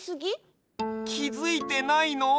きづいてないの？